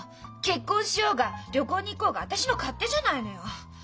結婚しようが旅行に行こうが私の勝手じゃないのよ。